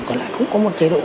còn lại cũng có một chế độ